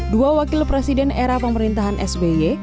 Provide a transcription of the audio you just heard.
dua wakil presiden era pemerintahan sby